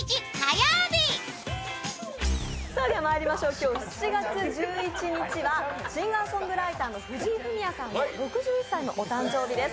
今日７月１１日はシンガーソングライターの藤井フミヤさんの６１歳のお誕生日です。